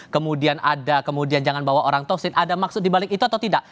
kemudian ada kemudian jangan bawa orang toksid ada maksud dibalik itu atau tidak